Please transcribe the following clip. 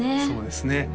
そうですね